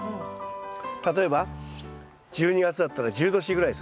例えば１２月だったら１０℃ぐらいですね。